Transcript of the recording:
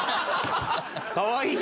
かわいい！